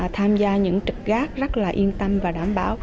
tham gia những trực gác rất là yên tâm và đảm bảo